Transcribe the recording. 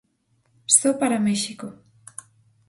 só para méxico